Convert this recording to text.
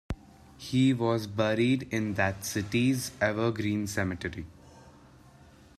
He was buried in that city's Evergreen Cemetery.